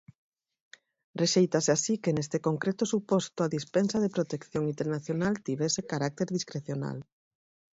Rexéitase así que neste concreto suposto a dispensa de protección internacional tivese carácter discrecional.